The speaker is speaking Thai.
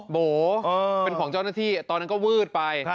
โบ๋เป็นของเจ้าหน้าที่ตอนนั้นก็วืดไป